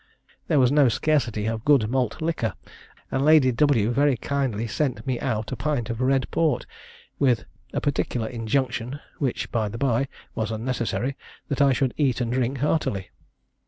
There was no scarcity of good malt liquor, and Lady W very kindly sent me out a pint of red port, with a particular injunction (which, by the by, was unnecessary) that I should eat and drink heartily.